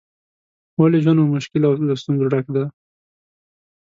ولې ژوند مو مشکل او له ستونزو ډک دی؟